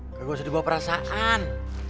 lu gak usah dibawa perasaan